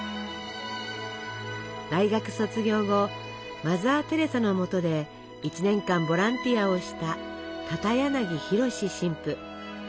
大学卒業後マザー・テレサのもとで１年間ボランティアをした片柳弘史神父。